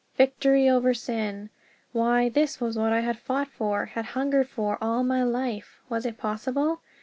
Victory over Sin! Why, this was what I had fought for, had hungered for, all my life! Was it possible?